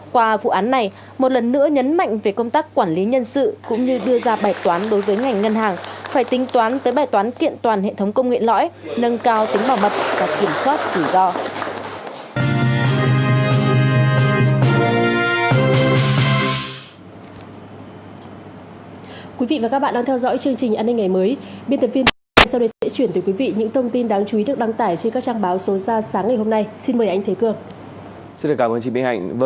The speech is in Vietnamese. qua vụ án này một lần nữa nhấn mạnh về công tác quản lý nhân sự cũng như đưa ra bài toán đối với ngành ngân hàng phải tính toán tới bài toán kiện toàn hệ thống công nguyện lõi nâng cao tính bảo mật và kiểm soát kỷ do